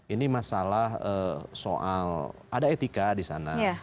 ini masalah soal ada etika di sana